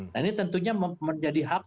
nah ini tentunya menjadi hak